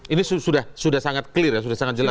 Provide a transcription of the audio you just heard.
ini sudah sangat clear ya sudah sangat jelas